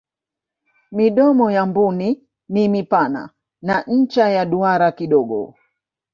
midomo ya mbuni ni mipana na ncha ya duara kidogo